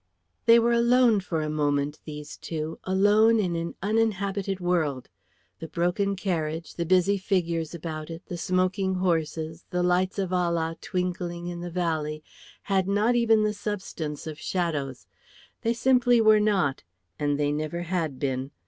They were alone for a moment, these two, alone in an uninhabited world. The broken carriage, the busy fingers about it, the smoking horses, the lights of Ala twinkling in the valley, had not even the substance of shadows. They simply were not, and they never had been.